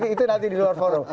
itu nanti di luar forum